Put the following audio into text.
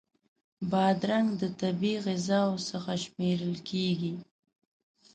بادرنګ له طبعی غذاوو څخه شمېرل کېږي.